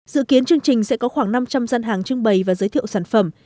dự kiến chương trình sẽ có khoảng năm trăm linh gian hàng trưng bày và giới thiệu sản phẩm